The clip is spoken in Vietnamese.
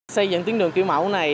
xây dựng tuyến đường kiểu mẫu này